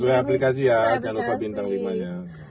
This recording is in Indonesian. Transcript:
sesuai aplikasi ya jangan lupa bintang limanya